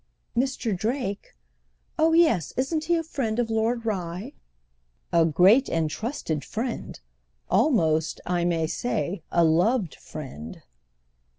"Mr. Drake? Oh yes; isn't he a friend of Lord Rye?" "A great and trusted friend. Almost—I may say—a loved friend."